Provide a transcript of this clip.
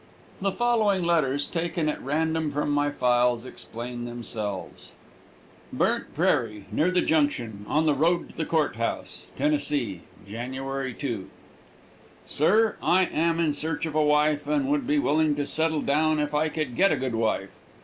The two following letters, taken at random from my files, explain themselves: "BURNT PRAIRIE, NEAR THE JUNCTION,} "ON THE ROAD TO THE COURT HOUSE,} "TENNESSEE, January 2.} "DEAR SIR I am in search of a wife and would be willing to settle down if I could get a good wife.